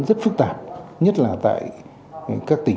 rất phức tạp nhất là tại